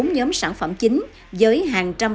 bốn nhóm sản phẩm chính với hàng trăm